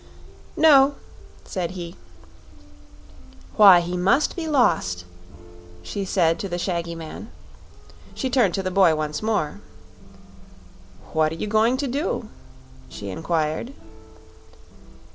"No," said he. "Why, he must be lost," she said to the shaggy man. She turned to the boy once more. "What are you going to do?" she inquired.